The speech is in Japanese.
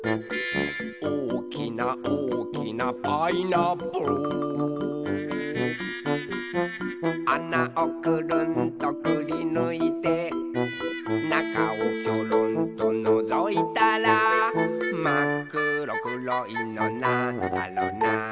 「おおきなおおきなパイナップル」「あなをくるんとくりぬいて」「なかをきょろんとのぞいたら」「まっくろくろいのなんだろな」